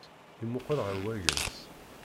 Yemmuqqel ɣer wagens.